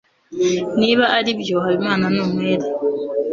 niba aribyo, habimana ni umwere